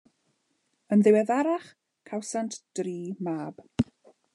Yn ddiweddarach cawsant dri mab.